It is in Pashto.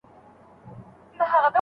استاد د محصل پوښتنه په حوصله اوري.